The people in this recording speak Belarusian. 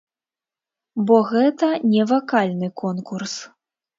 Бо гэта не вакальны конкурс.